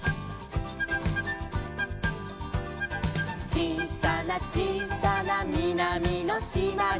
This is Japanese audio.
「ちいさなちいさなみなみのしまに」